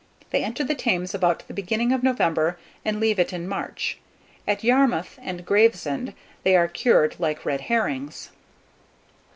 They enter the Thames about the beginning of November, and leave it in March. At Yarmouth and Gravesend they are cured like red herrings.